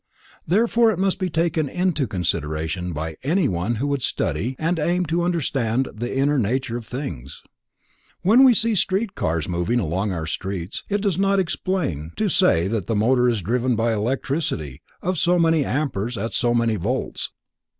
Therefore it must be taken into consideration by any one who would study and aim to understand the inner nature of things. When we see the street cars moving along our streets, it does not explain to say that the motor is driven by electricity of so many amperes at so many volts.